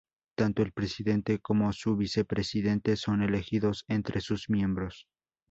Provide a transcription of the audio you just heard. Tanto el presidente como su vicepresidente son elegidos entre sus miembros.